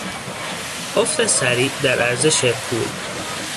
افت سریع در ارزش پول